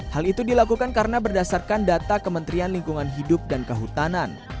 hal itu dilakukan karena berdasarkan data kementerian lingkungan hidup dan kehutanan